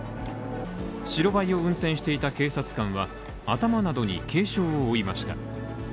白バイを運転していた警察官は、頭などに軽傷を負いました。